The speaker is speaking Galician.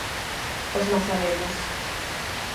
Os nazarenos.